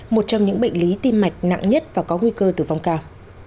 một trong những bệnh lý tim mạch nặng nhất và có nguy cơ tử vong cao